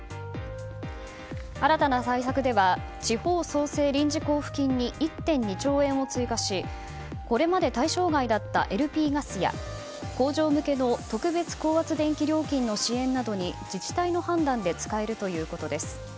新たな対策では地方創生臨時交付金に１．２兆円を追加しこれまで対象外だったＬＰガスや工場向けの特別高圧電気料金の支援などに自治体の判断で使えるということです。